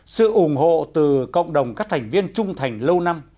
sự ủng hộ từ cộng đồng các thành viên trung thành lâu năm